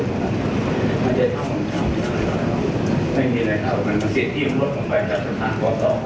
มันไม่เท่ามันเท่ามันไม่เท่ามันเป็นสิ่งที่มันลดลงไปกับสถานกรอบรอง